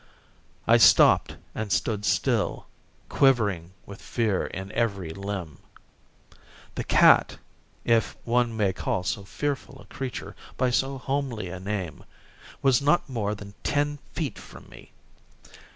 I stopped and stood still, quivering with fear in every limb. The cat (if one may call so fearful a creature by so homely a name) was not more than ten feet from me.